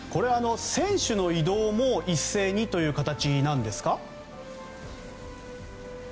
選手の移動も一斉にという形なんですか？